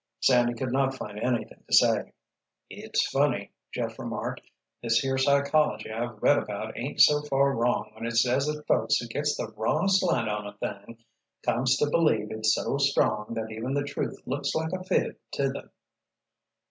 Sandy could not find anything to say. "It's funny," Jeff remarked. "This here psychology I've read about ain't so far wrong when it says that folks who gets the wrong slant on a thing comes to believe it so strong that even the truth looks like a fib to them."